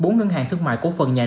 bốn ngân hàng thương mại của phần nhãn